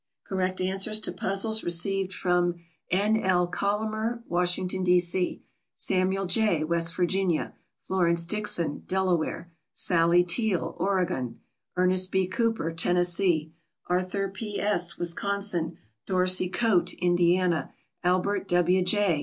Correct answers to puzzles received from N. L. Collamer, Washington, D. C.; Samuel J., West Virginia; Florence Dickson, Delaware; Sallie Teal, Oregon; Ernest B. Cooper, Tennessee; Arthur P. S., Wisconsin; Dorsey Coate, Indiana; Albert W. J.